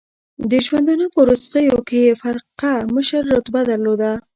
د ژوندانه په وروستیو کې یې فرقه مشر رتبه درلوده.